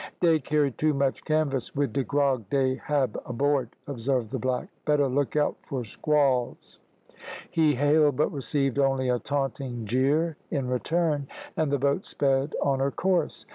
"Dey carry too much canvas wid de grog dey hab aboard," observed the black. "Better look out for squalls." He hailed, but received only a taunting jeer in return, and the boat sped on her course.